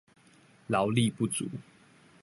勞力不足